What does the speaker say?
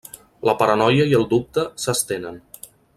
La paranoia i el dubte s'estenen.